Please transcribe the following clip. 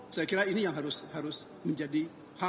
saya kira ini yang harus menjadi hal yang harus diperhatikan